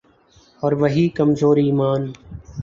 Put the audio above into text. اور وہی کمزور ایمان۔